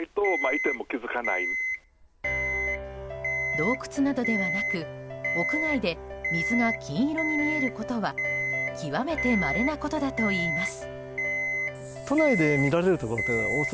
洞窟などではなく屋外で水が金色に見えることは極めてまれなことだといいます。